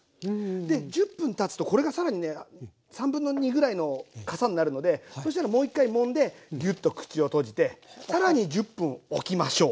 で１０分たつとこれが更にね2/3ぐらいのかさになるのでそしたらもう一回もんでギュッと口を閉じて更に１０分おきましょう。